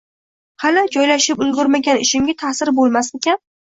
Hali joylashib ulgurmagan ishimga taʼsiri boʻlmasmikin?